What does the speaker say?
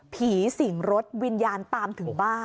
สิ่งรถวิญญาณตามถึงบ้าน